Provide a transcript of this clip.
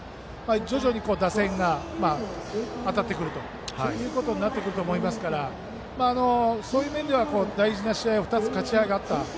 徐々に打線が当たってくるということになると思いますから、そういう面では大事な試合を２つ、勝ち上がった。